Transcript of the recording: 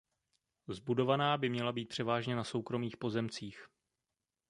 Zbudovaná by měla být převážně na soukromých pozemcích.